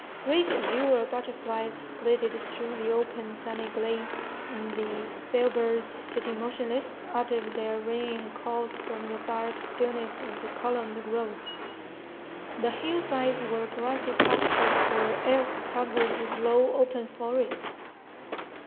Great azure butterflies flitted through the open, sunny glades, and the bellbirds, sitting motionless, uttered their ringing calls from the dark stillness of the columned groves. The hillsides were grassy pastures or else covered with low, open forest.